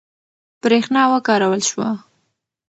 برېښنا وکارول شوه.